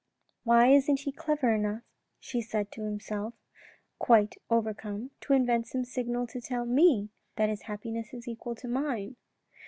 "Why isn't he clever enough," she said to herself, quite overcome, " to invent some signal to tell me that his happiness is equal to mine